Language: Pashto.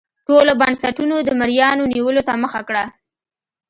ټولو بنسټونو د مریانو نیولو ته مخه کړه.